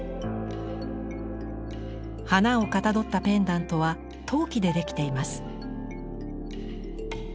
花をかたどったペンダントは陶器でできています。